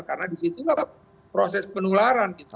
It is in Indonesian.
karena disitulah proses penularan gitu